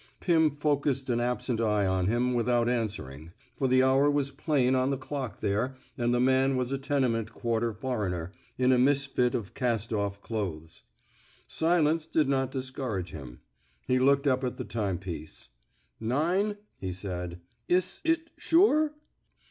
Pim focused an absent eye on him without answering, for the hour was plain on the clock there, and the man was a tenement 65 n THE SMOKE EATERS quarter foreigner, in a misfit of cast off clothes. Silence did not discourage him. He looked up at the timepiece. '* Nine! '' he said. Iss it — sure!